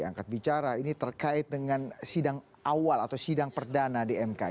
angkat bicara ini terkait dengan sidang awal atau sidang perdana di mk